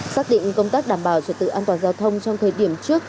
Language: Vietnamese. xác định công tác đảm bảo trật tự an toàn giao thông trong thời điểm trước